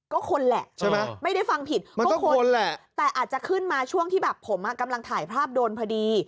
ก็คนแหละใช่ไหมไม่ได้ฟังผิดมันก็คนแหละแต่อาจจะขึ้นมาช่วงที่แบบผมกำลังถ่ายภาพโดนพอดี